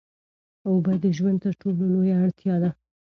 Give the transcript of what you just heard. اوبه د ژوند تر ټولو لویه اړتیا ده.